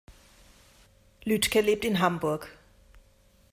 Lüdke lebt in Hamburg.